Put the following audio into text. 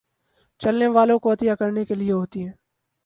چلنے والوں کوعطیہ کرنے کے لیے ہوتی ہے